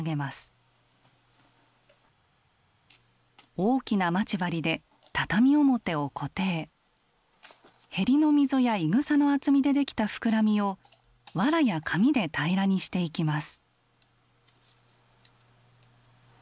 大きな待ち針で畳表を固定縁の溝やいぐさの厚みでできた膨らみを藁や紙で平らにしていきます。